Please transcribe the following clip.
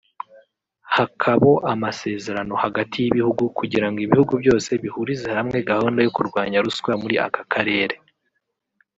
hakabo amasezerano hagati y’ibihugu kugirango ibihugu byose bihurize hamwe gahunda yo kurwanya ruswa muri aka karere